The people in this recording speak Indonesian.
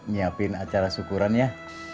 nyiapin acara syukuran ya